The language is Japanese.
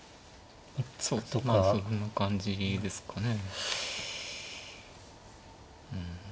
まあそんな感じですかね。